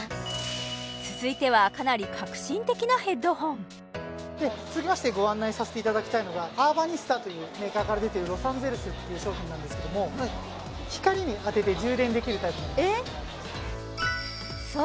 続いてはかなり続きましてご案内させていただきたいのがアーバニスタというメーカーから出ているＬＯＳＡＮＧＥＬＥＳっていう商品なんですけども光に当てて充電できるタイプなんですそう